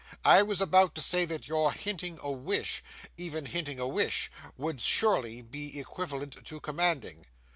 I was about to say that your hinting a wish, even hinting a wish, would surely be equivalent to commanding.